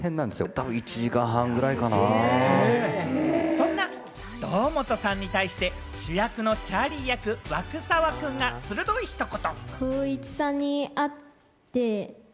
そんな堂本さんに対して、主役のチャーリー役・涌澤くんが鋭いひと言。